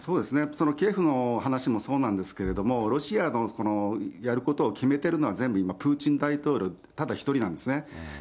キエフの話もそうなんですけど、ロシアのやることを決めてるのは、全部、今、プーチン大統領ただ一人なんですね。